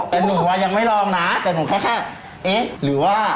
แต่หนูว่ายังไม่ลองนะแต่หนูแค่เอ๊ะหรือว่า